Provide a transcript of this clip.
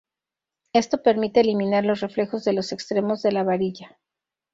Esto permite eliminar los reflejos de los extremos de la varilla.